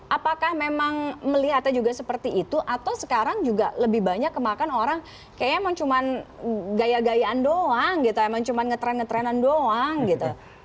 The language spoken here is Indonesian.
apakah memang melihatnya juga seperti itu atau sekarang juga lebih banyak kemakan orang kayaknya emang cuman gaya gayaan doang gitu emang cuman ngetrend ngetrenan doang gitu